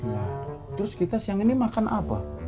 nah terus kita siang ini makan apa